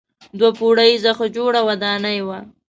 دوه پوړیزه ښه جوړه ودانۍ وه.